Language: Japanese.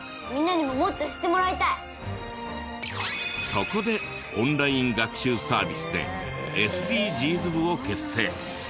そこでオンライン学習サービスでＳＤＧｓ部を結成。